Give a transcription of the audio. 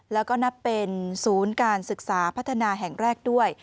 แล้วก็นับเป็นศูนย์การศึกษาพัฒนาแห่งแรกด้วย